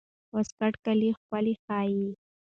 واسکټ کالي ښکلي ښيي.